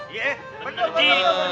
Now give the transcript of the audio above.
iya bener pak ji